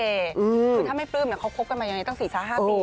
อืมหรือถ้าไม่ปลื้มเนี้ยเขาคบกันมายังไงตั้งสี่ซ้าห้าปี